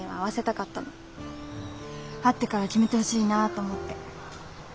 会ってから決めてほしいなあと思って。